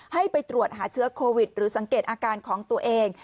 ให้ไปตรวจหาเชื้อโควิดหรือสังเกตอาการของตัวเอง